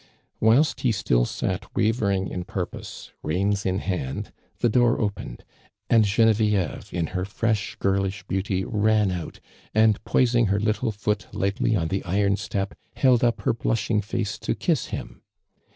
Whilst he still sat wavering in purpose, reins in hand, the door opene<l, and Gene vieve, in her fre^h, girlish beauty ran out, and poising her little foot lightly on the iron step held up her blushing face to kiss him.